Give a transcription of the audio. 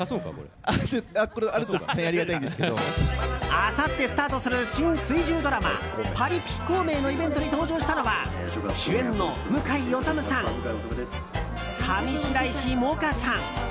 あさってスタートする新・水１０ドラマ「パリピ孔明」のイベントに登場したのは、主演の向井理さん上白石萌歌さん